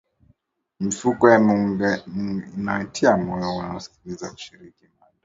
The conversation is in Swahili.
mifumo ya muingiliano inawatia moyo wasikilizaji kushiriki mada